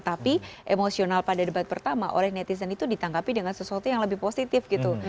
tapi emosional pada debat pertama oleh netizen itu ditanggapi dengan sesuatu yang lebih positif gitu